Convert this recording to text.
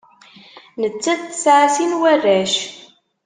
Nettat tesɛa sin n warrac.